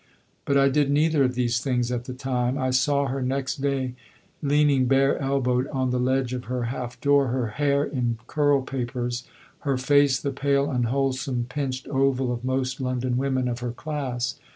But I did neither of these things at the time. I saw her next day leaning bare elbowed on the ledge of her half door, her hair in curl papers, her face the pale unwholesome pinched oval of most London women of her class.